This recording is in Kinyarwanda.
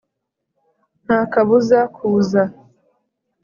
nta kabuza kuza.